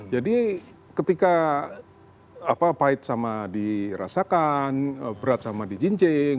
jadi ketika pahit sama dirasakan berat sama dijinjing